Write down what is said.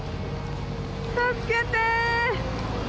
助けて！